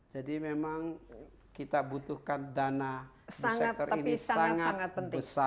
jadi memang kita butuhkan dana di sektor ini sangat besar